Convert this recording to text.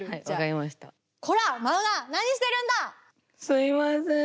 すいません。